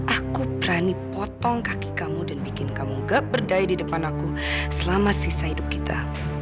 aku berani potong kaki kamu dan bikin kamu gak berdaya di depan aku selama sisa hidup kita